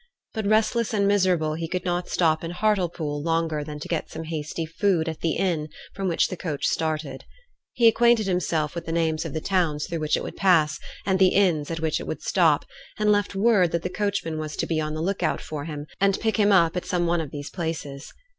But, restless and miserable, he could not stop in Hartlepool longer than to get some hasty food at the inn from which the coach started. He acquainted himself with the names of the towns through which it would pass, and the inns at which it would stop, and left word that the coachman was to be on the look out for him and pick him up at some one of these places.